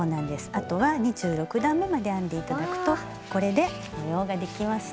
あとは２６段めまで編んで頂くとこれで模様ができました。